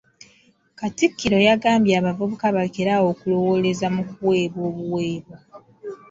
Katikkiro yagambye abavubuka balekere awo okulowooleza mu kuweebwa obuweebwa.